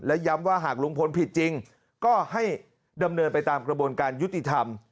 และย้ำว่าหากลุงพลผิดจริงก็ให้ดำเนินไปตามกระบวนการยุติธรรม